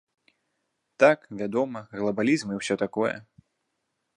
Так, вядома, глабалізм і ўсё такое.